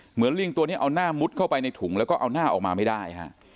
ลิงตัวนี้เอาหน้ามุดเข้าไปในถุงแล้วก็เอาหน้าออกมาไม่ได้ฮะ